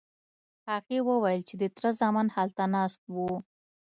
هغې وویل چې د تره زامن هلته ناست وو.